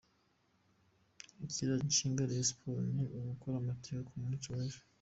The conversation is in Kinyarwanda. Ikiraje ishinga Rayon Sports ni ugukora amateka ku munsi w’ejo.